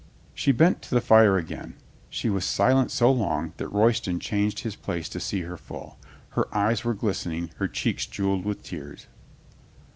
She bent to the fire again. She was silent so long that Royston changed his place to see her full. Her eyes were glistening, her cheeks jeweled with tears.